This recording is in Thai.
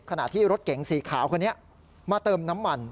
ขณะที่รถเก๋งสีขาวคนนี้มาเติมน้ำมัน